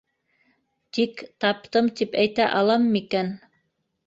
-Тик таптым тип әйтә алам микән?